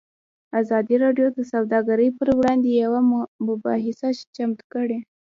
ازادي راډیو د سوداګري پر وړاندې یوه مباحثه چمتو کړې.